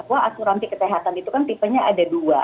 bahwa asuransi kesehatan itu kan tipenya ada dua